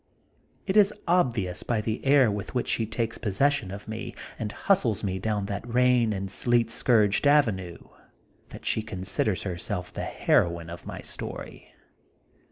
It is obvious by the air with which she takes possession of me and hustles me down that rain and sleet scourged avenue, that she con siders herself the heroine of my story.